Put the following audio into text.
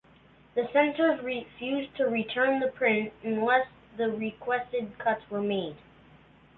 The censors refused to return the print unless the requested cuts were made.